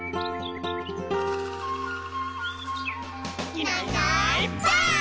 「いないいないばあっ！」